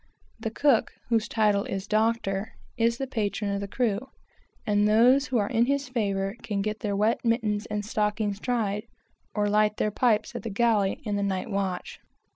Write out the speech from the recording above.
The cook is the patron of the crew, and those who are in his favor can get their wet mittens and stockings dried, or light their pipes at the galley on the night watch.